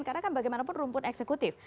karena kan bagaimanapun rumput eksekutif